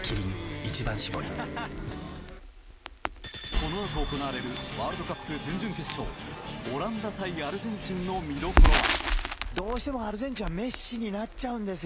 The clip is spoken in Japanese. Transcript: このあと行われるワールドカップ準々決勝オランダ対アルゼンチンの見どころは。